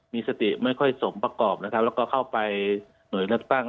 มีสติไม่ค่อยสมประกอบแล้วก็เข้าไปหน่วยนักตั้ง